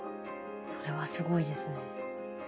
それはすごいですね。